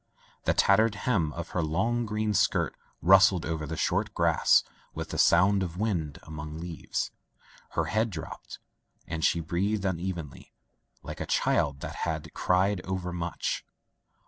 The tat tered hem of her long green skirt rustled over the short grass, with the sound of wind among leaves. Her head drooped and she breathed unevenly, like a child that has cried overmuch.